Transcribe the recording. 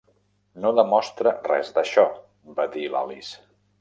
"No demostra res d'això!" va dir l'Alice.